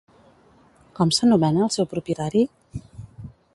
Com s'anomena el seu propietari?